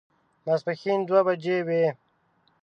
ماسپښين دوه بجې وې.